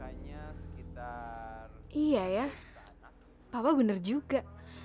iya ya papa bener juga